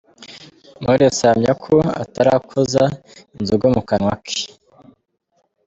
Knowless ahamya ako atarakoza inzoga mu kanwa ke.